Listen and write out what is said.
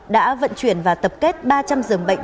đã vận chuyển và tập kết ba trăm linh giường bệnh